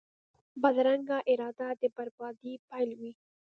بدرنګه اراده د بربادۍ پیل وي